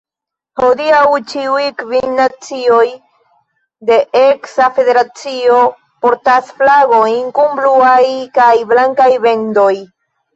Hodiaŭ ĉiuj kvin nacioj de eksa federacio portas flagojn kun bluaj kaj blankaj bendoj.